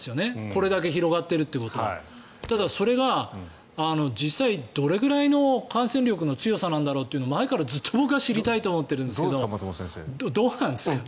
これだけ広がってるということはただそれが実際、どれぐらいの感染力の強さなんだろうと前からずっと僕は知りたいと思っているんですけどどうなんですか？